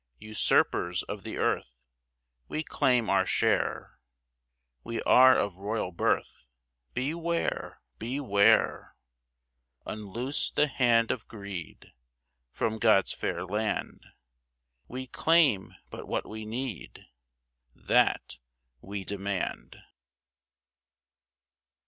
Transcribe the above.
Usurpers of the earth, We claim our share. We are of royal birth. Beware! beware! Unloose the hand of greed From God's fair land, We claim but what we need— That, we demand.